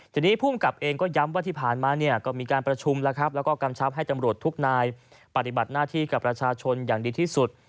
ทีนี้ภูมิกับเองก็ย้ำว่าที่ผ่านมาเนี่ยก็มีการประชุมแล้วครับแล้วก็กำชับให้ตำรวจทุกนายปฏิบัติหน้าที่กับประชาชนอย่างดีที่สุด